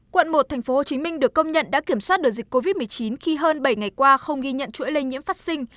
quận một tp hcm được công nhận đã kiểm soát được dịch covid một mươi chín khi hơn bảy ngày qua không ghi nhận chuỗi lây nhiễm phát sinh